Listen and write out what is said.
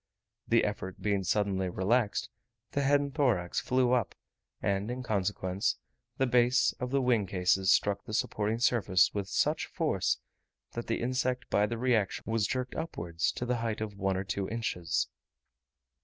The effort being suddenly relaxed, the head and thorax flew up, and in consequence, the base of the wing cases struck the supporting surface with such force, that the insect by the reaction was jerked upwards to the height of one or two inches.